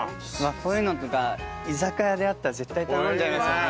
こういうのとか居酒屋であったら絶対頼んじゃいますよね。